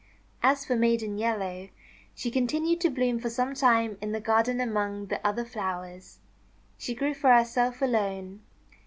As for Maiden Yellow, she continued to bloom for some time in the garden among the other flowers. She grew for herself alone.